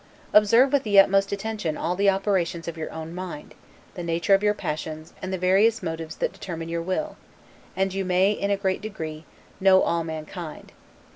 Observe with the utmost attention all the operations of your own mind, the nature of your passions, and the various motives that determine your will; and you may, in a great degree, know all mankind.